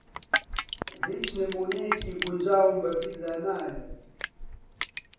ھیچ نموونەیەکی گونجاوم بە بیردا ناھێت.